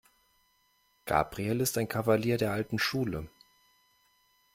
Gabriel ist ein Kavalier der alten Schule.